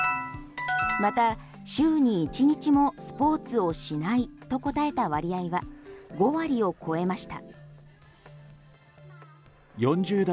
また、週に１日もスポーツをしないと答えた割合は５割を超えました。